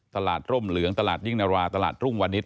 ร่มเหลืองตลาดยิ่งนาราตลาดรุ่งวันนี้